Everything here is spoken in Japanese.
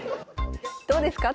どうですか？